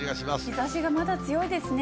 日ざしがまだ強いですね。